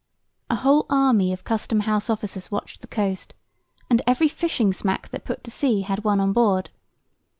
A whole army of custom house officers watched the coast, and every fishing smack that put to sea had one on board.